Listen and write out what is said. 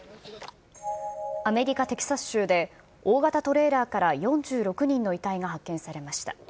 アメリカ・テキサス州で、大型トレーラーから４６人の遺体が発見されました。